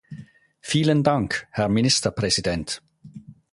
Vielen Dank, Herr Ministerpräsident!